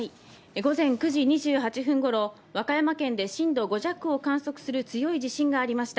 午前９時２８分頃、和歌山県で震度５弱を観測する強い地震がありました。